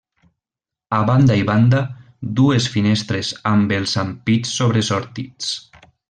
A banda i banda, dues finestres amb els ampits sobresortits.